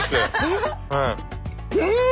うん！